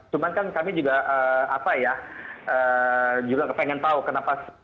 cuman kan kami juga pengen tau kenapa